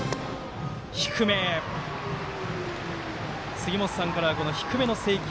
杉本さんからは、低めの制球。